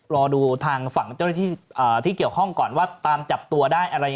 รอดูทางฝ่างโจรยาที่เกี่ยวข้องก่อนว่าตามจับตัวได้อะไร